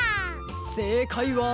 せいかいは。